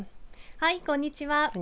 はい、こんにちは。